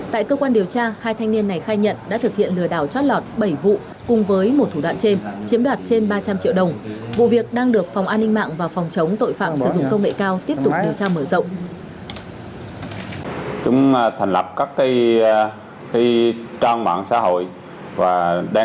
tại cơ quan điều tra hai thanh niên này khai nhận đã thực hiện lừa đảo cho người mua khóa tài khoản mạng xã hội tháo sim điện thoại nhằm cắt đứt liên lạc với người mua